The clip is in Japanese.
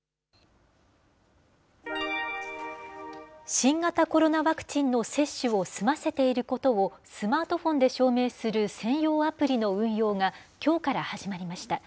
新型コロナワクチンの接種を済ませていることを、スマートフォンで証明する専用アプリの運用がきょうから始まりました。